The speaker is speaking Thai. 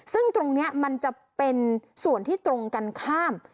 ซึ่งตรงนี้มันจะเป็นส่วนที่ตรงกันข้าม